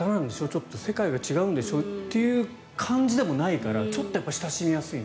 ちょっと世界が違うんでしょという感じでもないからちょっと親しみやすい。